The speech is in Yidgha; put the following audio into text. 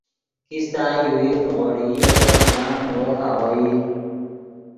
کیستہ یوویر نیغوڑئی اے گے پلانگ نے وف آغوئی